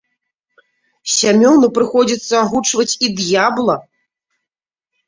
Сямёну прыходзіцца агучваць і д'ябла.